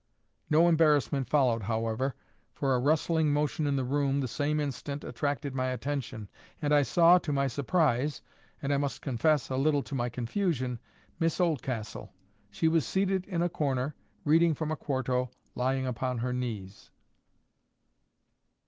No embarrassment followed, however, for a rustling motion in the room the same instant attracted my attention, and I saw, to my surprise, and I must confess, a little to my confusion, Miss Oldcastle. She was seated in a corner, reading from a quarto lying upon her knees.